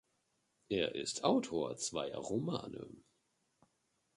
Er ist Autor zweier Romane.